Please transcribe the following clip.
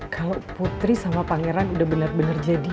kalau putri sama pangeran udah benar benar jadi